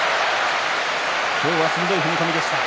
今日は鋭い踏み込みでした。